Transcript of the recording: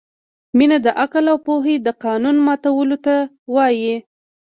مینه د عقل او پوهې د قانون ماتولو ته وايي.